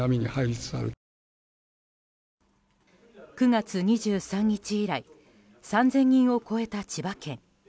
９月２３日以来３０００人を超えた千葉県。